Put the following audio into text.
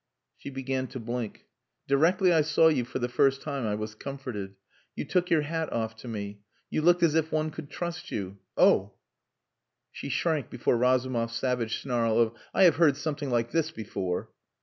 She began to blink. "Directly I saw you for the first time I was comforted. You took your hat off to me. You looked as if one could trust you. Oh!" She shrank before Razumov's savage snarl of, "I have heard something like this before."